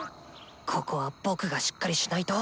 ここは僕がしっかりしないと！